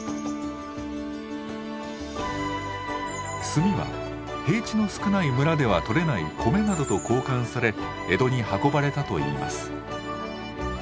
炭は平地の少ない村ではとれない米などと交換され江戸に運ばれたといいます。